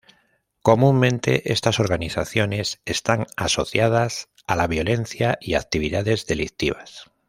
Comúnmente, estas organizaciones están asociadas a la violencia y actividades delictivas.